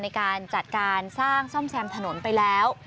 ในการจัดการสร้างซ่อมแซมถนนไปแล้ว